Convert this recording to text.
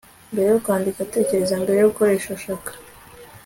mbere yo kwandika, tekereza. mbere yo gukoresha, shaka